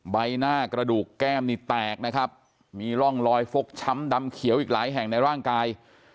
ใบหน้ากระดูกแก้มนี่แตกนะครับมีร่องรอยฟกช้ำดำเขียวอีกหลายแห่งในร่างกาย